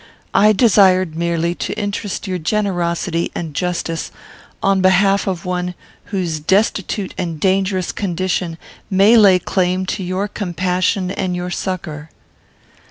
I desired merely to interest your generosity and justice on behalf of one whose destitute and dangerous condition may lay claim to your compassion and your succour."